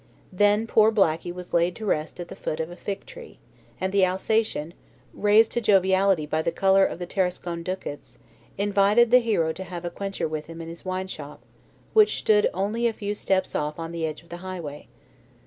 Then poor Blackey was laid to rest at the root of a fig tree, and the Alsatian, raised to joviality by the colour of the Tarascon ducats, invited the hero to have a quencher with him in his wine shop, which stood only a few steps off on the edge of the highway.